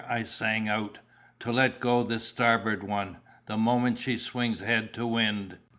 I sang out, 'to let go the starboard one, the moment she swings head to wind!